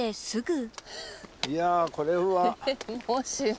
いやこれは。